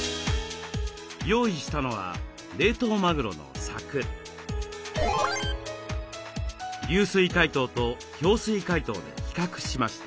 用意したのは流水解凍と氷水解凍で比較しました。